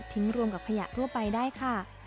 รวมกับขยะทั่วไปได้ค่ะ